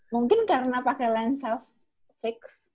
mungkin karena pakai lensa fix